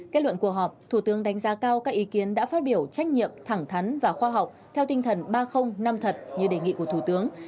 kết luận cuộc họp thủ tướng đánh giá cao các ý kiến đã phát biểu trách nhiệm thẳng thắn và khoa học theo tinh thần ba năm thật như đề nghị của thủ tướng